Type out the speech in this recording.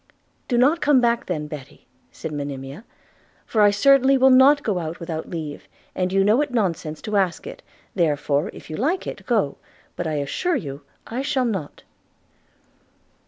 'Do not come back then, Betty,' said Monimia; 'for I certainly will not go out without leave, and you know it nonsense to ask it – therefore, if you like it, go; but I assure you I shall not.'